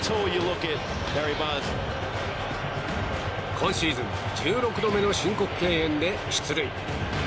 今シーズン１６度目の申告敬遠で出塁。